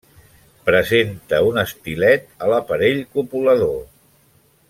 Presenta un estilet a l'aparell copulador.